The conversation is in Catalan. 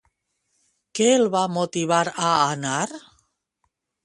Què el va motivar a anar?